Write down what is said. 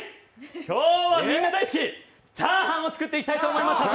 今日はみんな大好きチャーハンを作っていきたいと思います。